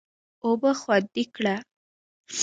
اوبه خوندي کړه.